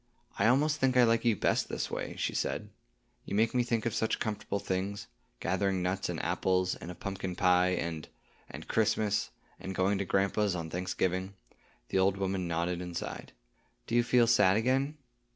"I almost think I like you best this way," she said. "You make me think of such comfortable things,—gathering nuts and apples, and of pumpkin pie, and—and—Christmas, and going to grandpa's on Thanksgiving." The old woman nodded and sighed. "Do you feel sad again?"